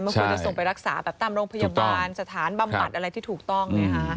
มันควรจะส่งไปรักษาแบบตามโรงพยาบาลสถานบำบัดอะไรที่ถูกต้อง